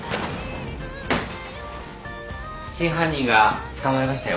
真犯人が捕まりましたよ